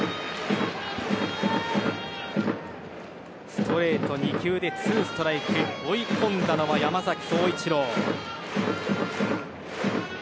ストレート２球でツーストライクに追い込んだのは山崎颯一郎。